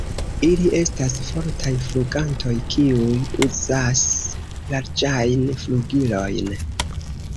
Ili estas fortaj flugantoj kiuj uzas larĝajn flugilojn.